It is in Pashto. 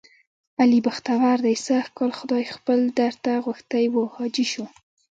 علي بختور دی سږ کال خدای خپل درته غوښتلی و. حاجي شو،